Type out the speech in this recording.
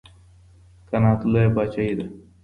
قناعت لويه پاچاهي ده.